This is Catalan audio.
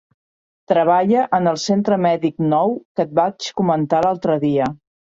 Treballa en el centre mèdic nou que et vaig comentar l'altre dia.